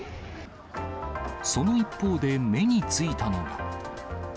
その一方で、目についたのが。